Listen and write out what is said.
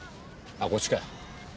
あっこっちか。